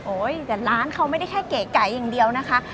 แต่ร้านเขาไม่ได้แค่เก๋ไก่อย่างเดียวนะคะ